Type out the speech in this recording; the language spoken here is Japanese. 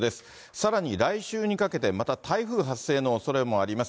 さらに来週にかけて、また台風発生のおそれもあります。